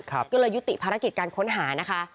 ก็เลยยุติภารกิจการค้นหานะคะ